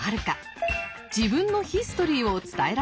自分のヒストリーを伝えられているか。